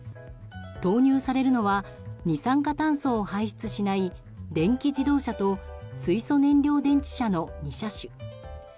投入されるのは二酸化炭素を排出しない電気自動車と水素燃料電池車の２車種。